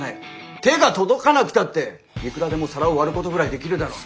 手が届かなくたっていくらでも皿を割ることぐらいできるだろ。